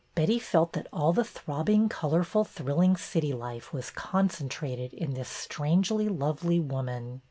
Betty felt that all the throbbing, colorful, thrill ing city life was concentrated in this strangely lovely woman.